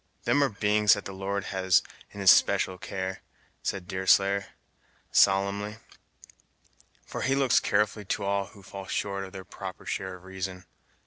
"Them are beings that the Lord has in his special care," said Deerslayer, solemnly; "for he looks carefully to all who fall short of their proper share of reason.